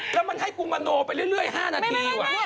แล้วมันให้กุมโนไปเรื่อย๕นาทีว่ะ